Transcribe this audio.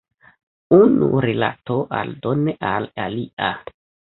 Unu rilato aldone al alia.